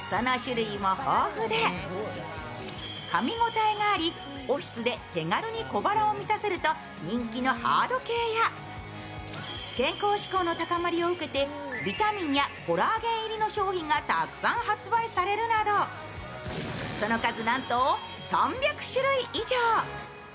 かみ応えがあり、オフィスで手軽に小腹を満たせると人気のハード系や、健康志向の高まりを受けてビタミンやコラーゲン入りの商品がたくさん発売されるなどその数なんと３００種類以上。